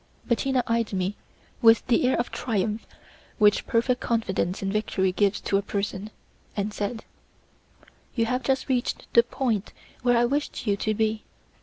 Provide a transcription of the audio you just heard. Bettina eyed me with the air of triumph which perfect confidence in victory gives to a person, and said: "You have just reached the point where I wished you to be.